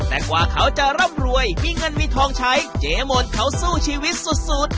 แต่กว่าเขาจะร่ำรวยมีเงินมีทองใช้เจมนเขาสู้ชีวิตสุด